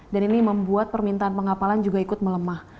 dan ini membuat permintaan pengapalan juga ikut melemah